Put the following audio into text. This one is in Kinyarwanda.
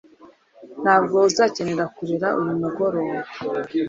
Ntabwo uzakenera kurera uyu mugoroba